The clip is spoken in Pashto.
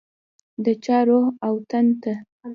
د چا روح او تن ته